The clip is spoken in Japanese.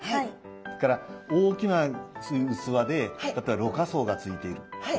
それから大きな器で例えばろ過装がついているこういう。